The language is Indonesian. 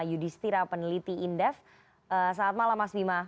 ya selamat malam